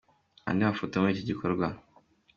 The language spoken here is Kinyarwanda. Andi Mafoto yo muri iki gikorwa.